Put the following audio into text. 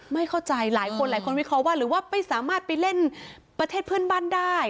ไม่เข้าใจหลายคนหลายคนวิเคราะห์ว่าหรือว่าไม่สามารถไปเล่นประเทศเพื่อนบ้านได้